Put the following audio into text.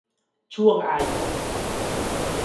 ช่วงอายุ